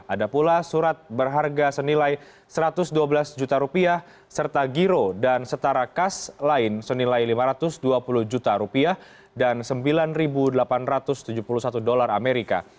ada pula surat berharga senilai satu ratus dua belas juta rupiah serta giro dan setara kas lain senilai lima ratus dua puluh juta rupiah dan sembilan delapan ratus tujuh puluh satu dolar amerika